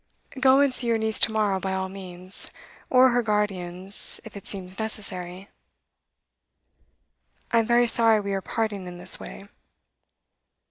Go and see your niece to morrow by all means, or her guardians, if it seems necessary. 'I am very sorry we are parting in this way.